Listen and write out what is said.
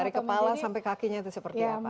dari kepala sampai kakinya itu seperti apa